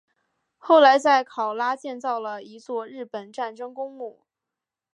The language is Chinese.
后来在考拉建造了一座日本战争公墓。